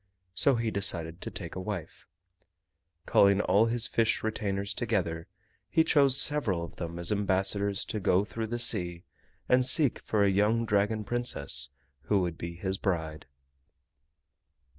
So he decided to take a wife. Calling all his fish retainers together, he chose several of them as ambassadors to go through the sea and seek for a young Dragon Princess who would be his bride.